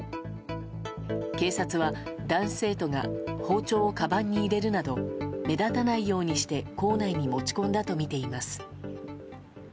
警察は男子生徒が包丁をかばんに入れるなど目立たないようにして校内に持ち込んだとみています。